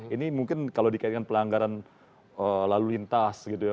ini mungkin kalau dikaitkan pelanggaran lalu lintas gitu ya